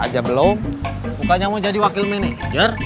dan bedanya pasal nitrogen